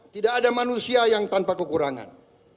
tidak ada manusia yang tanpa kekurangan